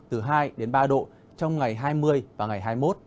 từ hai đến ba độ trong ngày hai mươi và ngày hai mươi một